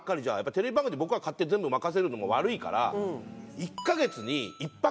テレビ番組で僕が全部任せるのも悪いから。